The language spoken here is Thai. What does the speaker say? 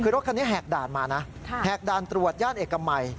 คือรถคันนี้แหกด่านมานะแหกด่านตรวจย่านเอกมัย